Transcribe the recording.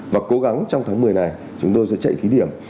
và cố gắng trong tháng một mươi này chúng tôi sẽ chạy thí điểm